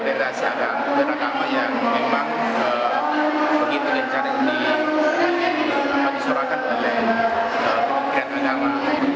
dan ini salah satu dari modernitas agama yang memang begitu dicari disuruhkan oleh kekuasaan agama